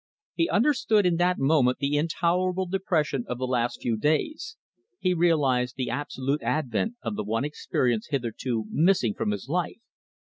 He understood in that moment the intolerable depression of the last few days. He realised the absolute advent of the one experience hitherto missing from his life.